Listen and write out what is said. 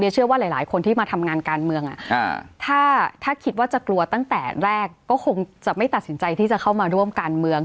เชื่อว่าหลายคนที่มาทำงานการเมืองถ้าคิดว่าจะกลัวตั้งแต่แรกก็คงจะไม่ตัดสินใจที่จะเข้ามาร่วมการเมือง